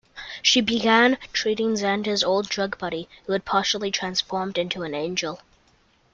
She began treating Zander's old drug buddy, who had partially transformed into an angel.